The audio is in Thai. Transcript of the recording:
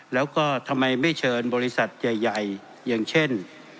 แล้วก็ทำไมไม่เชิญบริษัทใหญ่อย่างเช่น